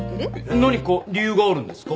何か理由があるんですか？